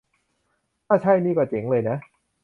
ถ้าใช่นี่ก็เจ๋งเลยนะ